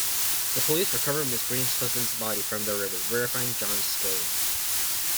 The police recover Mrs. Green's husband's body from the river, verifying John's story.